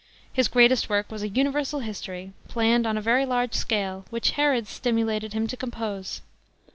His greatest work was a universal history, planned on a very large scale, which Herod stimulated him to compose.